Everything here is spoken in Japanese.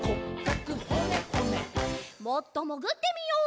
もっともぐってみよう。